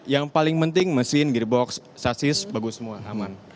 yang paling penting mesin girdebox sasis bagus semua aman